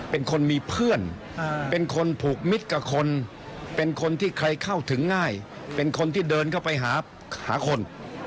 เป็นคนมีเพื่อนเป็นคนผูกมิตรกับคนเป็นคนที่ใครเข้าถึงง่ายเป็นคนที่เดินเข้าไปหาคน